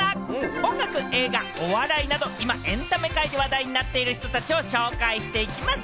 音楽、映画、お笑いなど、今、エンタメ界で話題になっている人たちを紹介していきます